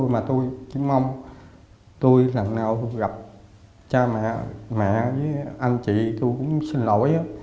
mà tôi chỉ mong tôi lần nào gặp cha mẹ mẹ với anh chị tôi cũng xin lỗi